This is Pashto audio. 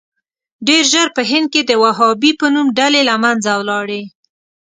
ډېر ژر په هند کې د وهابي په نوم ډلې له منځه ولاړې.